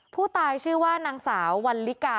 ผู้ตายชื่อว่านางสาววันลิกา